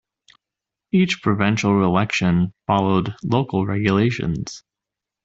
Each provincial election followed local regulations.